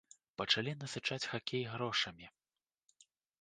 Пачалі насычаць хакей грошамі.